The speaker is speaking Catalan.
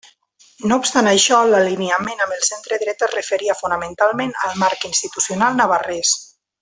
No obstant això, l'alineament amb el centredreta es referia fonamentalment al marc institucional navarrès.